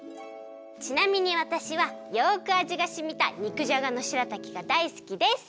ちなみにわたしはよくあじがしみた肉じゃがのしらたきがだいすきです！